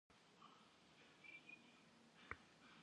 Lh'ıf' nat'e vuxhu!